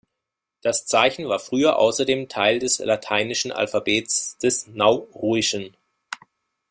Das Zeichen war früher außerdem Teil des lateinischen Alphabets des Nauruischen.